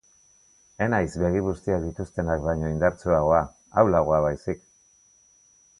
Ez naiz begi bustiak dituztenak baino indartsuagoa, ahulagoa baizik.